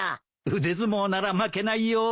腕相撲なら負けないよ。